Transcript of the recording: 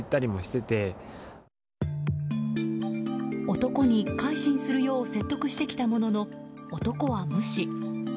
男に改心するよう説得してきたものの男は無視。